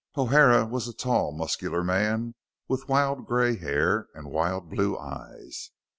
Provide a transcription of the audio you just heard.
O'Hara was a tall, muscular man with wild gray hair and wild blue eyes.